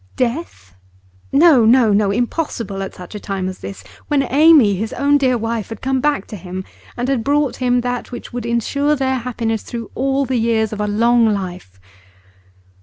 Death? No, no, no; impossible at such a time as this, when Amy, his own dear wife, had come back to him, and had brought him that which would insure their happiness through all the years of a long life.